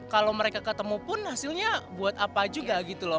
kalau mereka ketemu pun hasilnya buat apa juga gitu loh